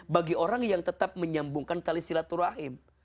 bagi orang yang tetap menyambungkan tali silaturahim